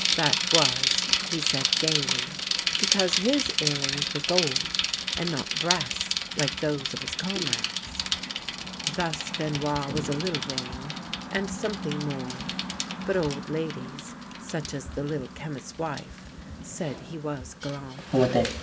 That was, he said gaih'^, because his earrings were gold, and not brass like those of his comrades. Thus Benoit was a little vain, and something more; but old ladies such as the Little Chemist's wife said he was galant.